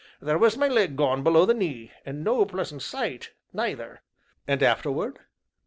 there was my leg gone below the knee, and no pleasant sight, neither." "And afterward?"